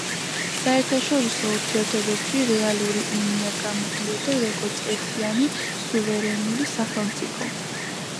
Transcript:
საერთაშორისო ურთიერთობებში რეალური უნია გამოდიოდა როგორც ერთიანი სუვერენული სახელმწიფო.